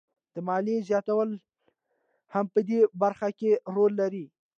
د ماليې زیاتوالی هم په دې برخه کې رول لري